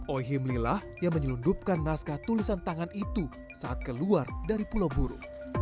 ohimlilah yang menyelundupkan naskah tulisan tangan itu saat keluar dari pulau buru